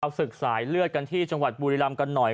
เอาศึกสายเลือดกันที่จังหวัดบุรีรำกันหน่อย